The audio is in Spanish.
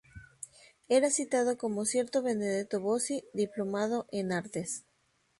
Era citado como "cierto Benedetto Bossi, diplomado en artes".